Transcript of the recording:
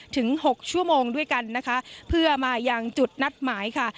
หกชั่วโมงด้วยกันนะคะเพื่อมายังจุดนัดหมายค่ะ